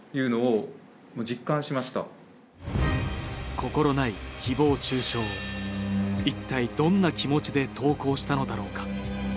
心ない誹謗中傷、一体どんな気持ちで投稿したのだろうか。